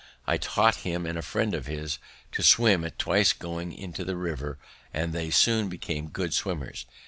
I taught him and a friend of his to swim at twice going into the river, and they soon became good swimmers.